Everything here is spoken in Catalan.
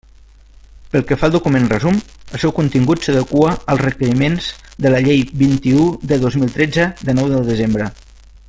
Pel que fa al document resum, el seu contingut s'adequa als requeriments de la Llei vint-i-u de dos mil tretze, de nou de desembre.